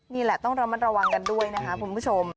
นี่แหละต้องระวังกันด้วยนะครับคุณผู้ชม